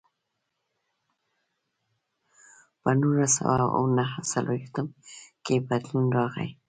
په نولس سوه او نهه څلوېښتم کې بدلون راغی.